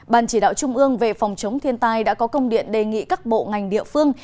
ban chỉ đạo trung ương về phòng chống thiên tai đã có công điện đề nghị các bộ ngành địa phương